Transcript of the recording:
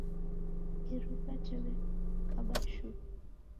Iruwa jawekaba shuu